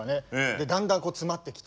でだんだん詰まってきて。